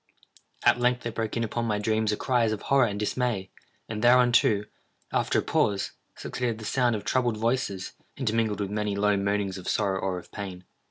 At length there broke in upon my dreams a cry as of horror and dismay; and thereunto, after a pause, succeeded the sound of troubled voices, intermingled with many low moanings of sorrow or of pain.